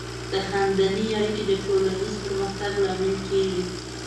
د خاندنۍ اړیکې د ټولنیز پرمختګ لامل کیږي.